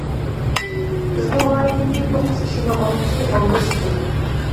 بىزنىڭ ئائىلىدىكى توققۇز كىشىنىڭ ئالتىسى ئالما ئىشلىتىدۇ.